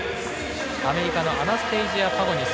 アメリカのアナステイジア・パゴニス